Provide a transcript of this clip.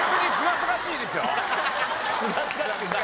すがすがしくない！